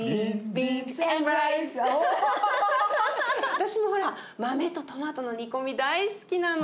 私も豆とトマトの煮込み大好きなの。